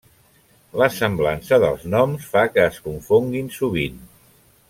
La semblança dels noms fa que es confonguin sovint.